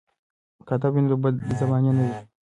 که ادب وي نو بدزباني نه وي.